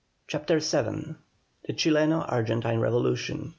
CHAPTER VII. THE CHILENO ARGENTINE REVOLUTION.